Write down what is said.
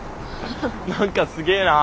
何かすげえな。